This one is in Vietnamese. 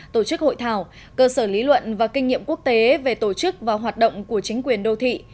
tổ chức hội thảo cơ sở lý luận và kinh nghiệm quốc tế về tổ chức và hoạt động của chính quyền đô thị